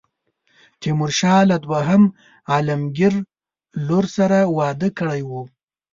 تیمورشاه له دوهم عالمګیر لور سره واده کړی وو.